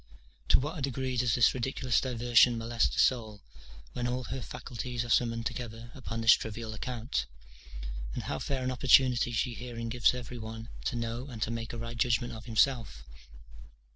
To what a degree does this ridiculous diversion molest the soul, when all her faculties are summoned together upon this trivial account! and how fair an opportunity she herein gives every one to know and to make a right judgment of himself?